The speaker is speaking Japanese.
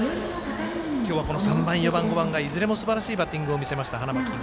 今日は、３、４、５番がいずれもすばらしいバッティング見せました花巻東。